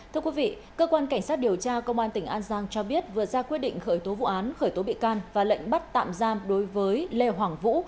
thưa quý vị cơ quan cảnh sát điều tra công an tỉnh an giang cho biết vừa ra quyết định khởi tố vụ án khởi tố bị can và lệnh bắt tạm giam đối với lê hoàng vũ